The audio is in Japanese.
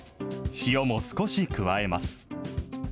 塩も少し加えます。